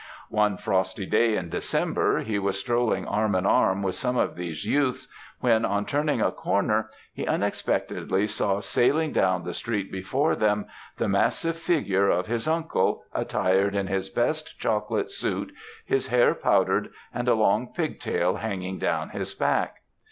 One frosty day in December, he was strolling arm in arm with some of these youths, when, on turning a corner, he unexpectedly saw sailing down the street before them, the massive figure of his uncle, attired in his best chocolate suit, his hair powdered, and a long pigtail hanging down his back.